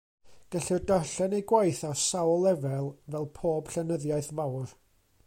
Gellir darllen ei gwaith ar sawl lefel, fel pob llenyddiaeth fawr.